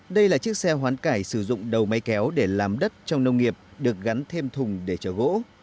đây là chiếc xe hoán cải sử dụng đầu máy kéo để làm đất trong nông nghiệp được gắn thêm thùng để chở gỗ